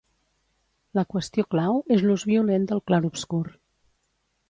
La qüestió clau és l'ús violent del clarobscur.